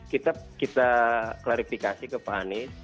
kita klarifikasi ke pak anies